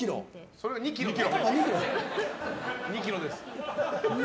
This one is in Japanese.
これは２ｋｇです。